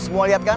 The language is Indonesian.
lu semua liat kan